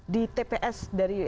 di tps dari